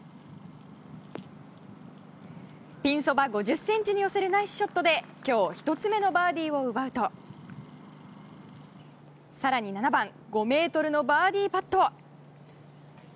ピンそば５０ｃｍに寄せるナイスショットで今日１つ目のバーディーを奪うと更に７番５ｍのバーディーパット。